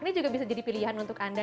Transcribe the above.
ini juga bisa jadi pilihan untuk anda